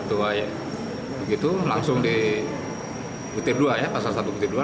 begitu langsung di butir dua ya pasal satu butir dua